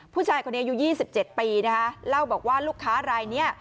ผู้ชายคนนี้อายุ๒๗ปีนะคะเล่าบอกว่าลูกค้ารายนี้